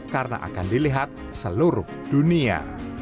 karena akan dilihat seluruh dunia